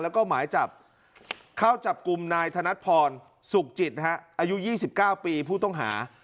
แล้วก็หมายจับเข้าจับกลุ่มนายธนัดพรสุขจิตอายุ๒๙ปีผู้ต้องหา